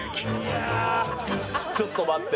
ちょっと待って。